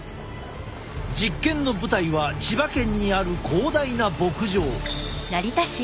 実験の舞台は千葉県にある広大な牧場。